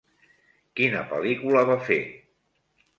Quina pel·lícula va fer?